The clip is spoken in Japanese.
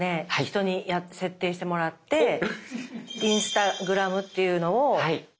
人に設定してもらってインスタグラムというのを。